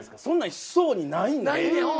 そんなんしそうにないんで。